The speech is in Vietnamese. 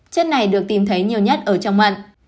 chất này được tìm thấy nhiều nhất ở trong mận